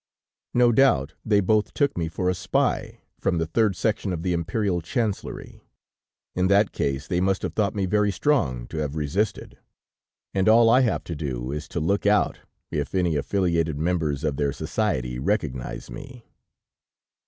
"No doubt they both took me for a spy from the Third section of the Imperial Chancellery. In that case, they must have thought me very strong to have resisted, and all I have to do is to look out, if any affiliated members of their society recognize me!..."